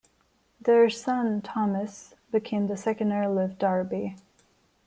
Their son, Thomas, became the second Earl of Derby.